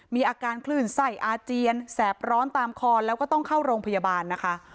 มีอาการคลื่นไส้อาเจียนแสบร้อนตามคอแล้วก็ต้องเข้าโรงพยาบาลนะคะ